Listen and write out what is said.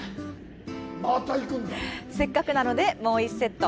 せっかくなので、もう１セット。